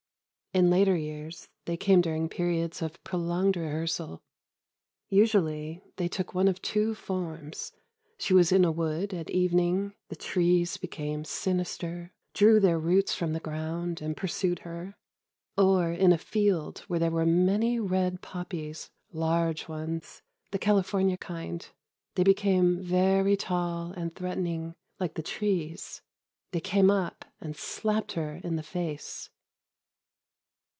In later years they came during periods of prolonged rehearsal. Usually they took one of two forms: She was in a wood, at evening ... the trees became sinister, drew their roots from the ground and pursued her.... Or in a field, where there were many red poppies ... large ones ... the California kind. They became very tall, and threatening, like the trees.... They came up and slapped her in the face.